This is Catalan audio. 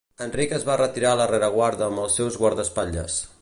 Enric es va retirar a la rereguarda amb els seus guardaespatlles.